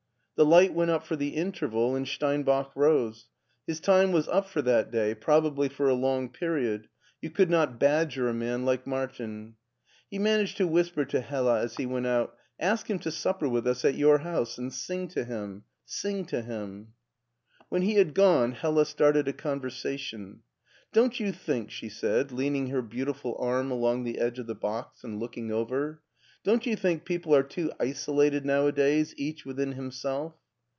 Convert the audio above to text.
The lights went up for the interval and Steinbach rose. His time was up for that day, probably for a long period ; you could not badger a man like Martin. He managed to whisper to Hella as he went out, " Ask him to supper with us at your house and sing to him — sing to him." When he had gone, Hella started a conversation. Don't you think," she said, leaning her beautiful arm along the edge of the box and looking over —" don't you think people are too isolated nowadays each within himself?"